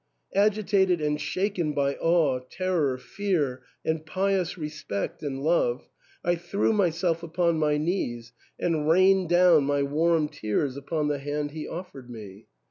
" Agitated and shaken by awe, terror, fear, and pious respect and love, I threw myself upon my knees and rained down my warm tears upon the hand he offered me.